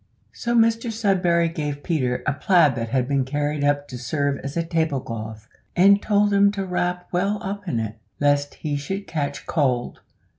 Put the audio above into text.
So Mr Sudberry gave Peter a plaid that had been carried up to serve as a table cloth, and told him to wrap well up in it, lest he should catch cold.